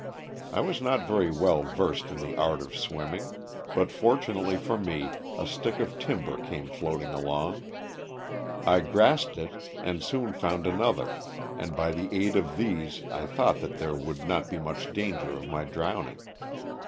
I was not very well versed in the art of swimming; but fortunately for me a stick of timber came floating along. I grasped it and soon found another, and by the aid of these I thought that there would not be much danger of my drowning.